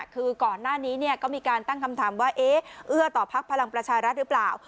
คือก่อนหน้านี้ก็มีการตั้งคำถามว่าเอ๊ะเอื้อต่อพักพลังประชารัฐหรือเปล่า